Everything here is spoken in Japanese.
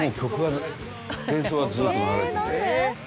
前奏はずっと流れてて。